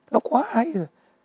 nó quá hay rồi